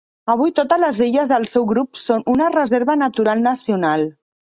Avui totes les illes del seu grup són una reserva natural nacional.